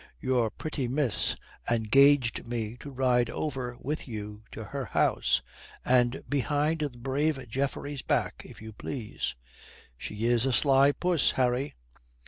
Your pretty miss engaged me to ride over with you to her house. And behind the brave Geoffrey's back, if you please. She is a sly puss, Harry."